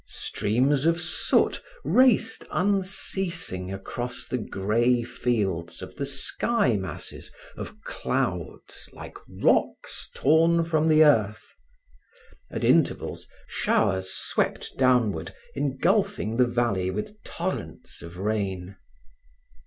Streams of soot raced unceasing across the grey fields of the sky masses of clouds like rocks torn from the earth. At intervals, showers swept downward, engulfing the valley with torrents of rain.